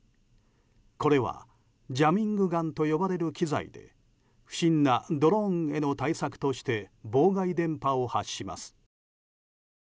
これはジャミングガンと呼ばれる機材で不審なドローンへの対策として妨害電波を発します。